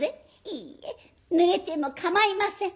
「いいえぬれてもかまいません。